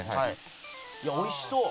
いやおいしそう！